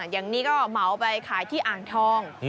อย่างนี้ก็เหมาไปขายที่อ่างทอง